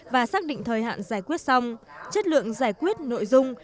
và xác định thời hạn giải quyết xong chất lượng giải quyết nội dung